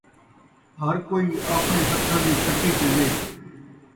ہر کئی آپݨے ہتھاں دی کھٹی چین٘دے